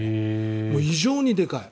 異常にでかい。